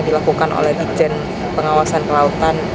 dilakukan oleh dijen pengawasan kelautan